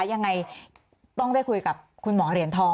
ยังไงต้องได้คุยกับคุณหมอเหรียญทอง